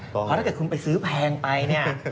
เพราะถ้าเกิดคุณไปซื้อแพงไปเนี่ย